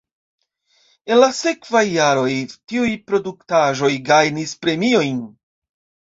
En la sekvaj jaroj tiuj produktaĵoj gajnis premiojn.